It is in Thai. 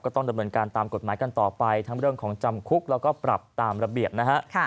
ต้องดำเนินการตามกฎหมายกันต่อไปทั้งเรื่องของจำคุกแล้วก็ปรับตามระเบียบนะฮะ